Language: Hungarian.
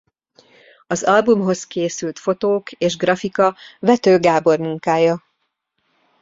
Az albumhoz készült fotók és grafika Vető Gábor munkája.